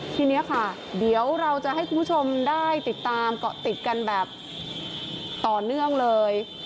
ทีนี้ค่ะเดี๋ยวเราจะให้คุณผู้ชมได้ติดตามเกาะติดกันแบบต่อเนื่องเลย